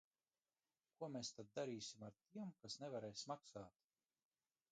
Ko mēs tad darīsim ar tiem, kas nevarēs maksāt?